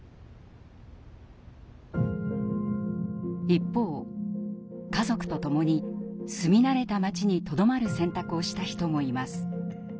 一方家族とともに住み慣れた街にとどまる選択をした人もいます。